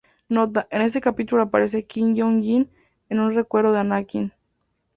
Nota: en este capítulo aparece Qui-Gon Jinn en un recuerdo de Anakin.